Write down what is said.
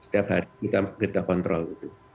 jadi kita menggunakan kontrol itu